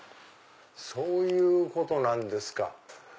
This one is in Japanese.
そういうことなんですか。